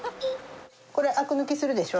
これアク抜きするでしょ？